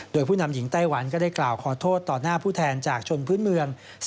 โดยผู้นำหญิงไต้หวันก็ได้กล่าวขอโทษต่อหน้าผู้แทนจากชนพื้นเมือง